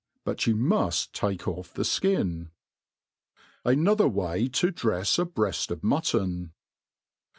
But you muft take off the ikin. Another good wt^ to dr^fs a Breaji of Mutton.